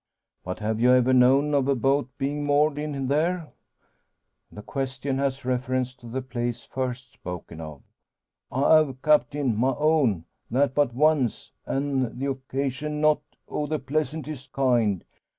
"But have you ever known of a boat being moored in there?" The question has reference to the place first spoken of. "I have, Captain; my own. That but once, an' the occasion not o' the pleasantest kind.